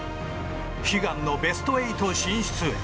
悲願のベスト８進出へ。